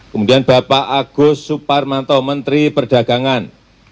kemudian bapak agus suparmanto menteri perdagangan